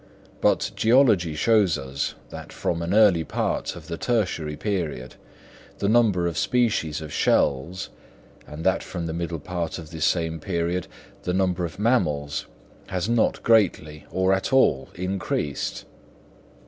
But geology shows us, that from an early part of the tertiary period the number of species of shells, and that from the middle part of this same period, the number of mammals has not greatly or at all increased.